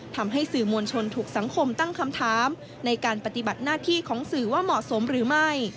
ทำให้สื่อมวลชนถูกสังคมตั้งคำถามในการปฏิบัติหน้าที่ของสื่อว่าเหมาะสมหรือไม่